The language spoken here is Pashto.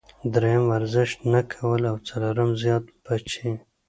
دريم ورزش نۀ کول او څلورم زيات بچي -